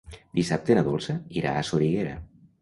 Dissabte na Dolça irà a Soriguera.